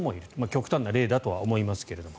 極端な例だとは思いますが。